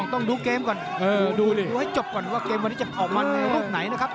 ต้องดูเกมก่อนดูให้จบก่อนว่าเกมวันนี้จะออกมาในรูปไหนนะครับ